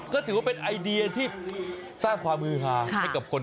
ก็ถือว่าเป็นไอเดียที่สร้างความมือหาให้กับคน